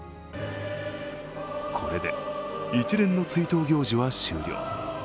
これで、一連の追悼行事は終了。